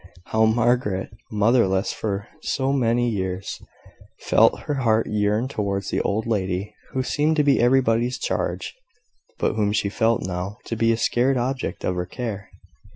How Margaret motherless for so many long years felt her heart yearn towards the old lady, who seemed to be everybody's charge, but whom she felt now to be a sacred object of her care!